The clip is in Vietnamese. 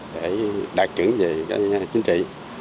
để đạt trưởng về cái chính trị